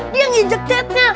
dia yang injek catnya